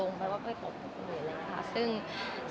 ใช่ค่ะใช่ใช่เพราะว่าคนหยวงไปว่าเพื่อกไปกับคนหลุยแล้วค่ะ